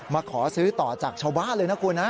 มาขอซื้อต่อจากชาวบ้านเลยนะคุณนะ